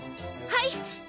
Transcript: はい。